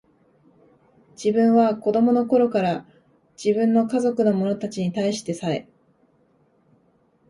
自分は子供の頃から、自分の家族の者たちに対してさえ、